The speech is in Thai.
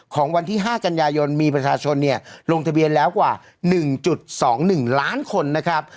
ของวันที่๕กันยายนมีประชาชนลงทะเบียนแล้วกว่า๑๒๑ล้านคนนะครับ